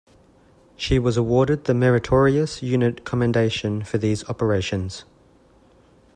She was awarded the Meritorious Unit Commendation for these operations.